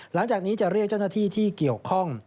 หลังจากนี้จะเรียกเจ้าหน้าที่ที่เกี่ยวข้อง